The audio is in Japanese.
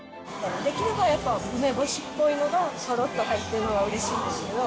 できればやっぱ梅干しっぽいのがごろっと入ってるほうがうれしいんですけど。